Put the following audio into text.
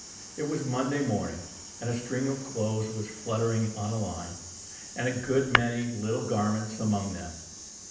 It was Monday morning; and a string of clothes was fluttering on a line, and a good many little garments among them.